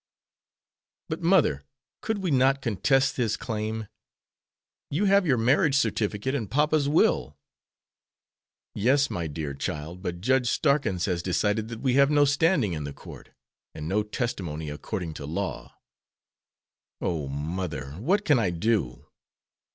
"But, mother, could we not contest his claim. You have your marriage certificate and papa's will." "Yes, my dear child, but Judge Starkins has decided that we have no standing in the court, and no testimony according to law." "Oh, mother, what can I do?"